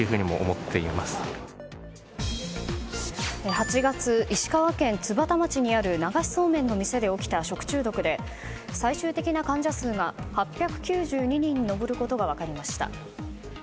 ８月、石川県津幡町にある流しそうめんの店で起きた食中毒で、最終的な患者数が８９２人に上ることが分かりました。